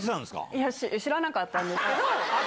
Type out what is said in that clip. いや、知らなかったんですけど。